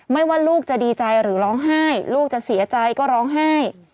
ว่าลูกจะดีใจหรือร้องไห้ลูกจะเสียใจก็ร้องไห้